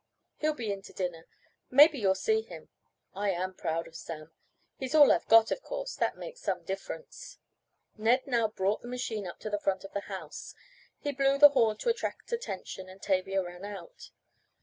He'll be in to dinner. Maybe you'll see him. I am proud of Sam. He's all I've got, of course, that makes some difference." Ned now brought the machine up to the front of the house. He blew the horn to attract attention and Tavia ran out.